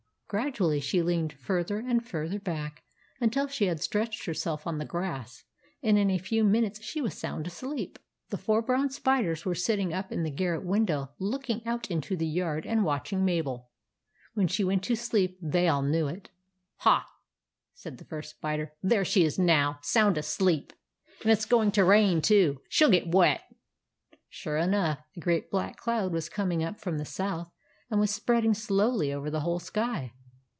Grad ually she leaned further and further back until she had stretched herself on the grass, and in a few minutes she was sound asleep. The four brown spiders were sitting up in the garret window looking out into the yard and watching Mabel. When she went to sleep, they all knew it. " Ha !" said the First Spider. " There she is now, sound asleep. And it s going to rain, too. She '11 get wet." Sure enough, a great black cloud was com ing up from the South and was spreading slowly over the whole sky.